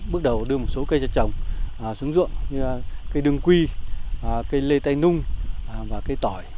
bước đầu đưa một số cây cho trồng xuống ruộng như cây đương quy cây lê tay nung và cây tỏi